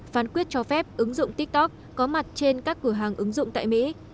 phán quyết cho phép ứng dụng tiktok có mặt trên các cửa hàng ứng dụng tại mỹ